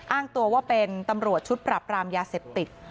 อ้างตัวว่าเป็นตำรวจชุดปรับรามยาเสพติด